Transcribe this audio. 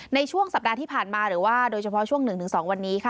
ในช่วงสัปดาห์ที่ผ่านมาหรือว่าโดยเฉพาะช่วง๑๒วันนี้ค่ะ